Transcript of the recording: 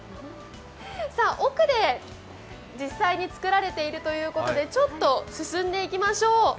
奥で実際に作られているということで進んでいきましょう。